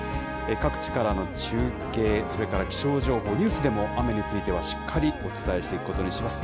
各地からの中継、それから気象情報、ニュースでも雨についてはしっかりお伝えしていくことにします。